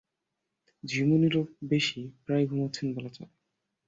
ঝিমুনিরও বেশি, প্রায় ঘুমাচ্ছেন বলা চলে।